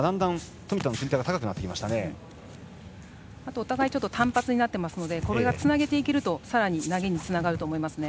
あと、お互い単発になっていますのでつなげていけるとさらに投げにつながると思います。